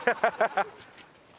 ハハハハ！